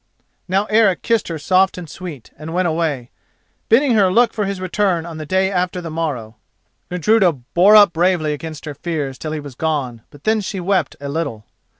Now Eric kissed her soft and sweet, and went away, bidding her look for his return on the day after the morrow. Gudruda bore up bravely against her fears till he was gone, but then she wept a little.